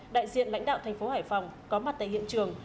đại diện lãnh đạo tp hải phòng có mặt tại hiện trường